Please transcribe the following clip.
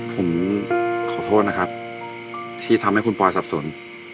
ผมขอโทษนะครับที่ทำให้คุณปอยสับสน